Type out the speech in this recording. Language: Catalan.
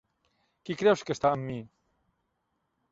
Qui creus que està amb mi?